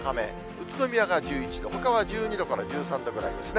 宇都宮が１１度、ほかは１２度から１３度ぐらいですね。